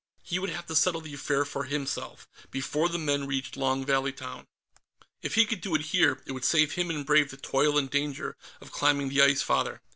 He would have to settle the affair for himself, before the men reached Long Valley town. If he could do it here, it would save him and Brave the toil and danger of climbing the Ice Father.